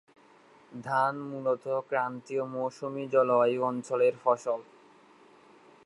ধান মূলত ক্রান্তিয় মৌসুমি জলবায়ু অঞ্চলের ফসল।